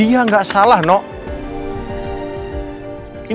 ibu yang bayi riyaku